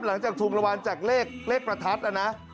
หลังจากถูกระวังจากเลขประทัดครับ